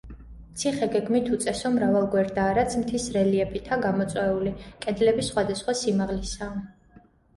ციხე გეგმით უწესო მრავალგვერდაა, რაც მთის რელიეფითა გამოწვეული, კედლები სხვადასხვა სიმაღლისაა.